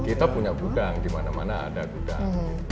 kita punya gudang dimana mana ada gudang